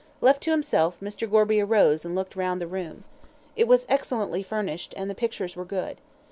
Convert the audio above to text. Left to himself, Mr. Gorby arose and looked round the room. It was excellently furnished, and the pictures were good.